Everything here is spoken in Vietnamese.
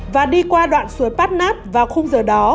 và đi qua đoạn suối pát nát vào khung giờ đó